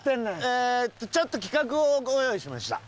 えーっとちょっと企画をご用意しました。